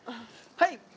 はい。